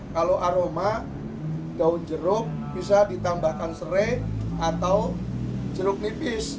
kalau aroma daun jeruk bisa ditambahkan serai atau jeruk nipis